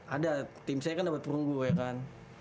ada tim saya kan dapat perunggu ya kan